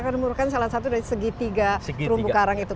karena merupakan salah satu dari segitiga rumput karang itu